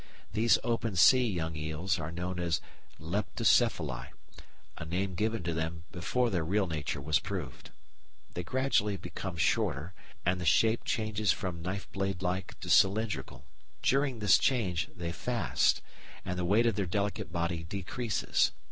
These open sea young eels are known as Leptocephali, a name given to them before their real nature was proved. They gradually become shorter, and the shape changes from knife blade like to cylindrical. During this change they fast, and the weight of their delicate body decreases.